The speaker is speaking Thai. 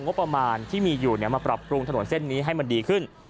งบประมาณที่มีอยู่มาปรับปรุงถนนเส้นนี้ให้มันดีขึ้น